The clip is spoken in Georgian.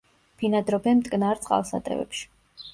ბინადრობენ მტკნარ წყალსატევებში.